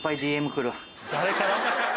・誰から？